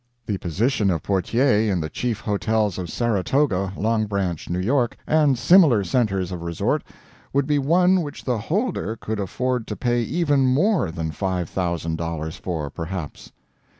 The position of portier in the chief hotels of Saratoga, Long Branch, New York, and similar centers of resort, would be one which the holder could afford to pay even more than five thousand dollars for, perhaps.